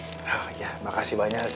oh iya makasih banyak